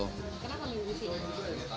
kenapa memilih sih